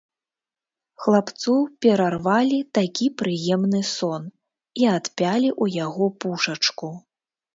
Хлапцу перарвалі такі прыемны сон і адпялі ў яго пушачку.